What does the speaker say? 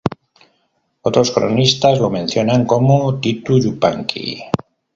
Otros cronistas lo mencionan como "Titu Yupanqui".